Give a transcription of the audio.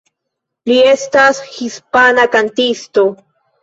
Li estas hispana kantisto.